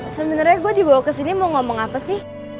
sebenernya gue dibawa kesini mau ngomong apa sih